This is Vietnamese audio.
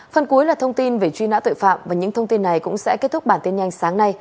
phần cuối là thông tin về truy nã tội phạm và những thông tin này cũng sẽ kết thúc bản tin nhanh sáng nay